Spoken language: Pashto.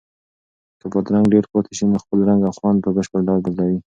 که بادرنګ ډېر پاتې شي نو خپل رنګ او خوند په بشپړ ډول بدلوي.